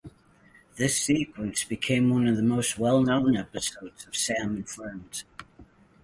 This sequence became one of the most well-known episodes of "Sam and Friends".